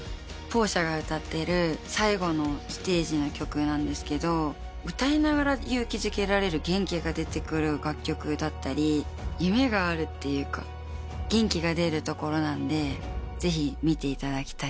ポーシャが歌ってる最後のステージの曲なんですけど歌いながら勇気づけられる元気が出てくる楽曲だったり夢があるっていうか元気が出るところなんで。